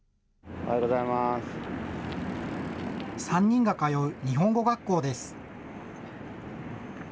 ３人が通う日本語学校です。